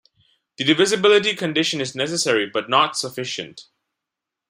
The divisibility condition is necessary but not sufficient.